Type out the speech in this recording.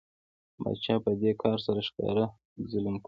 پاچا په دې کار سره ښکاره ظلم کوي.